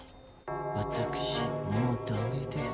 わたくしもうダメです。